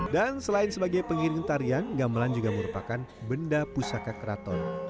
dan selain sebagai pengiring tarian gamelan juga merupakan benda pusaka kraton